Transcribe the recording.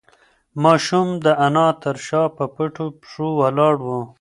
ماشوم د انا تر شا په پټو پښو ولاړ و.